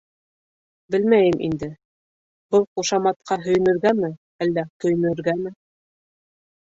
Белмәйем инде, был ҡушаматҡа һөйөнөргәме, әллә көйөнөргәме?